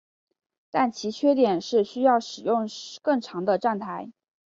但其缺点是需要使用更长的站台。